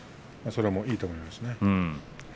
それはいいと思いますね。